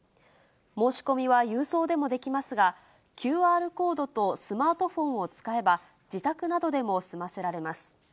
申し込みは郵送でもできますが、ＱＲコードとスマートフォンを使えば、自宅などでも済ませられます。